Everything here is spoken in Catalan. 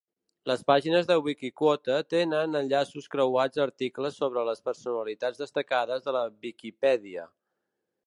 Les pàgines de Wikiquote tenen enllaços creuats a articles sobre les personalitats destacades de la Viquipèdia.